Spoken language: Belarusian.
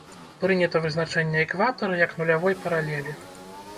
Прынята вызначэнне экватара як нулявой паралелі.